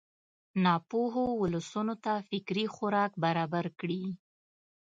ناپوهو ولسونو ته فکري خوراک برابر کړي.